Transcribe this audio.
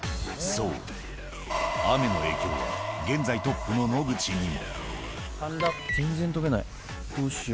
そう、雨の影響は現在トップの野口にも。